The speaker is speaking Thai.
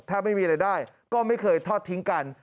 ถ้าไม่มีอะไรได้ก็ไม่เคยทอดทิ้งกัน